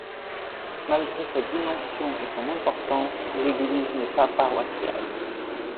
Malgré sa dimension et son importance l’église n’est pas paroissiale.